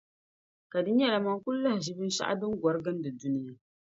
Ka di nyɛla man' kuli lahi ʒi binshɛli din gɔri gindi duniya